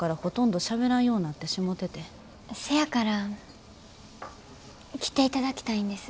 せやから来ていただきたいんです。